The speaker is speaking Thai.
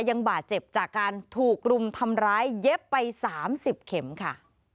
ยังบาดเจ็บจากการถูกรุมทำร้ายเย็บไป๓๐เข็มค่ะ